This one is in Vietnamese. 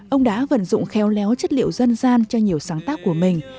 ông đã vận dụng khéo léo chất liệu dân gian cho nhiều sáng tác của mình